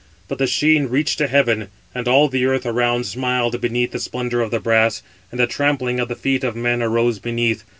But the sheen reached to heaven, and all the earth around smiled beneath the splendour of the brass; and a trampling of the feet of men arose beneath.